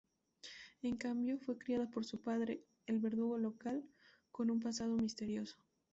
En cambio, fue criada por su padre, el verdugo local, con un pasado misterioso.